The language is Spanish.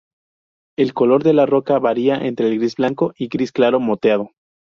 El color de la roca varía entre gris-blanco y gris claro moteado.